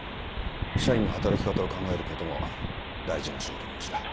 社員の働き方を考えることも大事な仕事のうちだ。